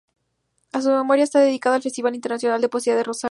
A su memoria está dedicado el festival internacional de poesía de Rosario